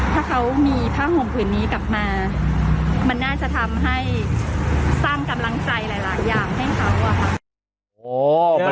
ถ้าเขามีผ้าห่มผืนนี้กลับมามันน่าจะทำให้สร้างกำลังใจหลายอย่างให้เขาอะค่ะ